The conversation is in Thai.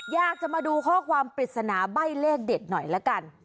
อยากจะมาดูข้อความปริศนาใบ้เลขเด็ดหน่อยละกัน